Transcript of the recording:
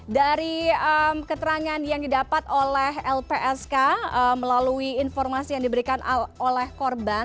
dari keterangan yang didapat oleh lpsk melalui informasi yang diberikan oleh korban